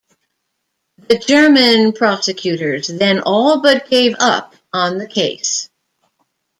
The German prosecutors then all but gave up on the case.